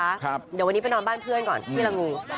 เดี๋ยววันนี้ไปนอนบ้านเพื่อนก่อนที่ละงู